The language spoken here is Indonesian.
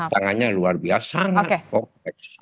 tangannya luar biasa sangat kompleks